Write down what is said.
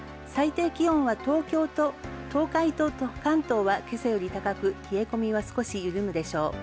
最低気温は東海と関東は今朝より高く冷え込みは少し緩むでしょう。